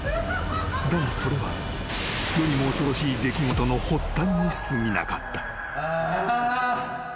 ［だがそれは世にも恐ろしい出来事の発端にすぎなかった］